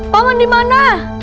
pak man dimana